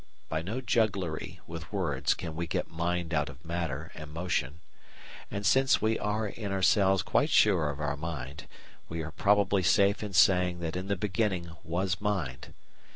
By no jugglery with words can we get Mind out of Matter and Motion. And since we are in ourselves quite sure of our Mind, we are probably safe in saying that in the beginning was Mind.